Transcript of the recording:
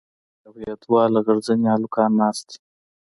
او يو دوه لغړ زني هلکان ناست دي.